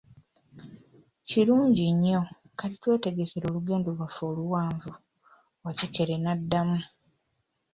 Kirungi nnyo, kati twetegekere olugendo Iwaffe oluwanvu, Wakikere n'addamu.